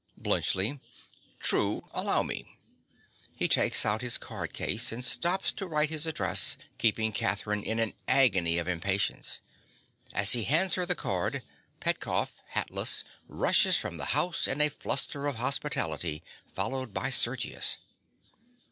BLUNTSCHLI. True. Allow me. (_He takes out his card case, and stops to write his address, keeping Catherine in an agony of impatience. As he hands her the card, Petkoff, hatless, rushes from the house in a fluster of hospitality, followed by Sergius.